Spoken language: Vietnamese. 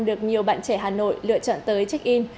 được nhiều bạn trẻ hà nội lựa chọn tới check in